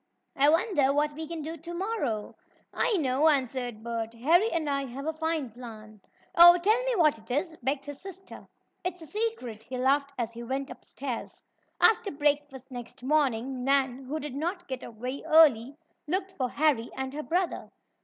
"I wonder what we can do to morrow?" "I know," answered Bert. "Harry and I have a fine plan." "Oh, tell me what it is," begged his sister. "It's a secret," he laughed as he went upstairs. After breakfast next morning Nan, who did not get up very early, looked for Harry and her brother.